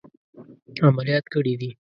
عملیات کړي دي.